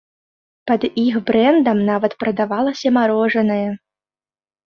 Пад іх брэндам нават прадавалася марожанае.